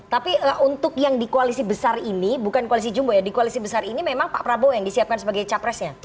tapi untuk yang di koalisi besar ini bukan koalisi jumbo ya di koalisi besar ini memang pak prabowo yang disiapkan sebagai capresnya